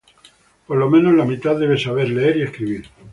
Por lo menos la mitad debe saber leer y escribir.